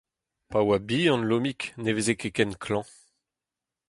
Pa oa bihan Lomig ne veze ket ken klañv.